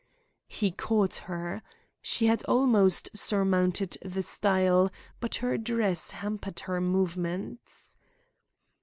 He caught her. She had almost surmounted the stile, but her dress hampered her movements.